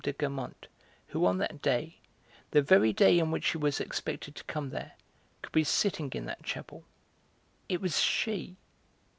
de Guermantes who on that day, the very day on which she was expected to come there, could be sitting in that chapel: it was she!